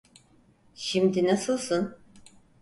Şimdi nasılsın?